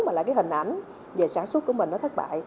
mà lại cái hình ảnh về sản xuất của mình nó thất bại